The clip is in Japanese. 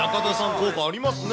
効果ありますね。